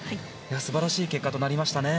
素晴らしい結果となりましたね。